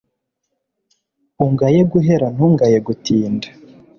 ungaye guhera ntungaye gutinda